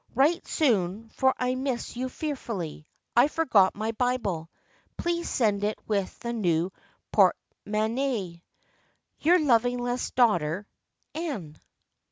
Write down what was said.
Write soon for I miss you fearfully. I forgot my Bible. Please send it with the new portemonnaie. Your lovingest daugh ter, Anne."